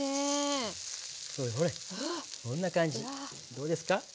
どうですか？